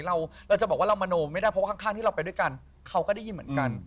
เราจะบอกว่าเรามโนไม่ได้เพราะว่าข้างที่เราไปด้วยกันเขาก็ได้ยินเหมือนกัน